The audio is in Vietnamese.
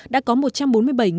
đã có một trăm bốn mươi sáu tỷ đồng